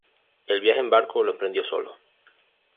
El viaje en barco lo emprendió solo.